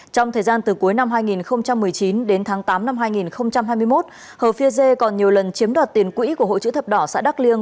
trong thời gian từ cuối năm hai nghìn một mươi chín đến tháng tám năm hai nghìn hai mươi một hờ phi dê còn nhiều lần chiếm đoạt tiền quỹ của hội chữ thập đỏ xã đắk liêng